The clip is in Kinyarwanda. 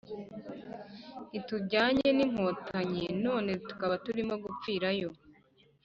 ntitujyane n’Inkotanyi none tukaba turimogupfirayo